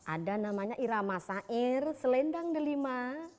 ada namanya irama sair selendang delima